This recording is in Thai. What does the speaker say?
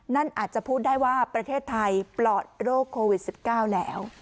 นั่นอาจจะพูดได้ว่าประเทศไทยปลอดโรคโควิด๑๙แล้ว